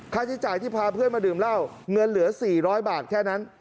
ค่าใช้จ่ายที่พาเพื่อนมาดื่มเหล้าเงินเหลือ๔๐๐บาทแค่นั้น